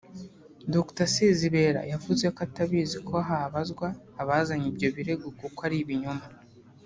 Dr Sezibera yavuze ko atabizi ko habazwa abazanye ibyo birego kuko ari ibinyoma